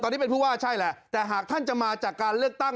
คิดว่าใช่แหละแต่หากท่านจะมาจากการเลือกตั้ง